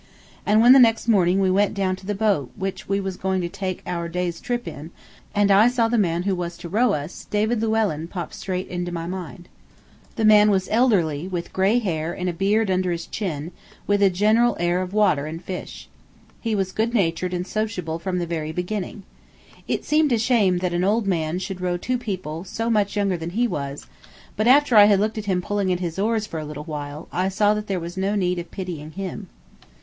And when the next morning we went down to the boat which we was going to take our day's trip in, and I saw the man who was to row us, David Llewellyn popped straight into my mind. This man was elderly, with gray hair, and a beard under his chin, with a general air of water and fish. He was good natured and sociable from the very beginning. It seemed a shame that an old man should row two people so much younger than he was, but after I had looked at him pulling at his oars for a little while, I saw that there was no need of pitying him.